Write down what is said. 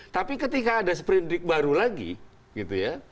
tapi ketika ada sprint rate baru lagi gitu ya